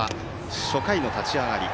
初回の立ち上がり。